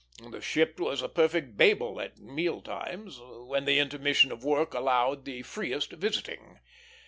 The ship was a perfect Babel at meal times, when the intermission of work allowed the freest visiting.